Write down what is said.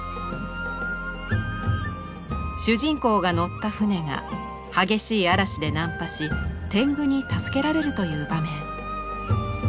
主人公が乗った船が激しい嵐で難破し天狗に助けられるという場面。